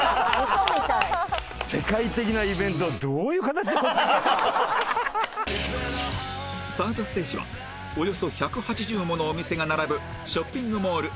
サードステージはおよそ１８０ものお店が並ぶショッピングモール